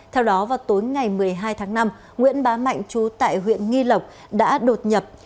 theo đó vào tối ngày một mươi hai tháng năm nguyễn bá mạnh trú tại huyện nghi lộc đã đột nhập